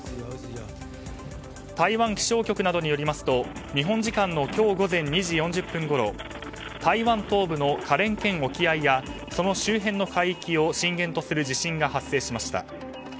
台湾気象局などによりますと日本時間の今日午前２時４０分ごろ台湾東部の花蓮県沖合やその周辺の海域を震源とする地震が発生しました。